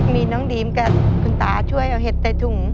มีน้องดีมกับคุณตาช่วยเอาเห็ดใส่ถุง